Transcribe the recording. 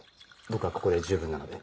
僕はここで十分なので。